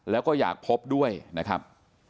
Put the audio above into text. แล้วก็อยากพบด้วยนะครับ